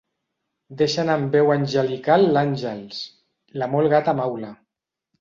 Deixa anar amb veu angelical l'Àngels, la molt gata maula.